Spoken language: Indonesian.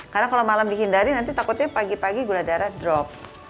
karena kalau malam dihindari nanti takutnya pagi pagi gula darah drop